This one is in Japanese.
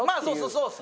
そうですね。